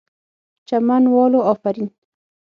چمن والو آفرین!!